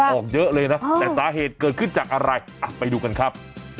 รู้เหรอออกเยอะเลยน่ะแต่ตาเหตุเกิดขึ้นจากอะไรอ่าไปดูกันครับ